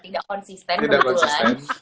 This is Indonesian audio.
tidak konsisten berjualan tidak konsisten